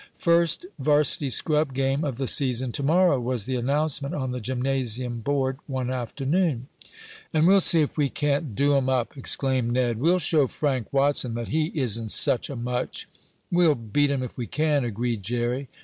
"First varsity scrub game of the season to morrow," was the announcement on the gymnasium board one afternoon. "And we'll see if we can't do 'em up!" exclaimed Ned. "We'll show Frank Watson that he isn't such a much." "We'll beat 'em if we can," agreed Jerry.